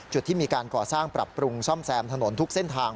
ที่มีการก่อสร้างปรับปรุงซ่อมแซมถนนทุกเส้นทาง